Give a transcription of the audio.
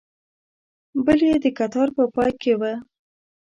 بل یې د کتار په پای کې و.